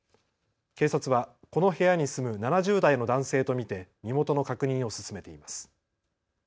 警察はこの部屋に住む７０代の男性と見て身元の確認を進めています。